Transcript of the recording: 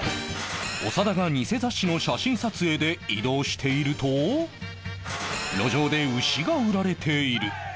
長田がニセ雑誌の写真撮影で移動していると路上で牛が売られている